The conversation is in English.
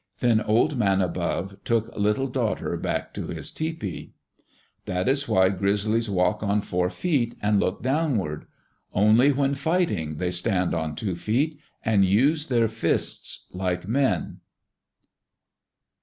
Then Old Man Above took Little Daughter back to his tepee. That is why grizzlies walk on four feet and look downward. Only when fighting they stand on two feet and use their fists like men.